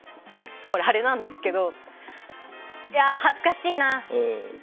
これ、あれなんですけどいやあ、恥ずかしいな。